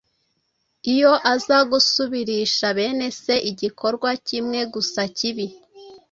iyo aza gusubirisha bene se igikorwa kimwe gusa kibi,